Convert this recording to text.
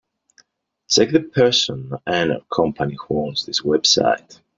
Check the person and/or company who owns this website.